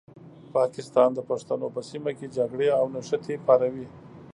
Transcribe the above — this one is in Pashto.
پاکستان د پښتنو په سیمه کې جګړې او نښتې پاروي.